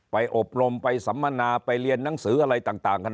อบรมไปสัมมนาไปเรียนหนังสืออะไรต่างกัน